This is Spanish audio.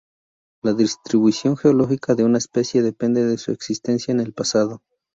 La distribución geológica de una especie depende de su existencia en el pasado.